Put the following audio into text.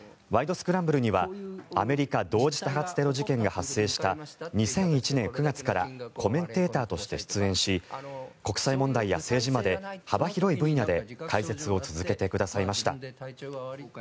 スクランブル」にはアメリカ同時多発テロ事件が発生した２００８年９月からコメンテーターとして出演し国際問題や政治まで幅広い分野で解説を続けてくださいました。